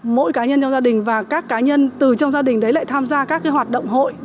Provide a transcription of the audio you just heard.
mỗi cá nhân trong gia đình và các cá nhân từ trong gia đình đấy lại tham gia các cái hoạt động hội